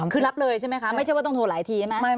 คือรับเลยใช่ไหมคะไม่ใช่ว่าต้องโทรหลายทีใช่ไหม